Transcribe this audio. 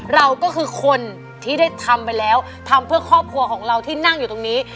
เราก็คือคนที่ได้ทำไปแล้วทำเพื่อครอบครัวของเราที่นั่งอยู่ตรงนี้